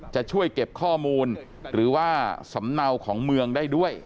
จะช่วยเก็บข้อมูลหรือว่าสำเนาของเมืองได้ด้วย